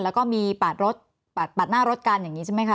แล้วก็มีปาดรถปาดหน้ารถกันอย่างนี้ใช่ไหมคะ